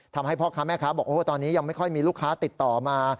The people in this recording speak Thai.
ทำให้พ่อค้าแม่ค้าบอกตอนนี้ยังไม่ค่อยมีลูกค้าติดต่อมา